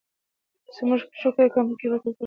زمونږ پیشو د کمپیوتر کیبورډ تر ټولو خوښوي.